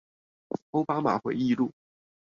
歐巴馬回憶錄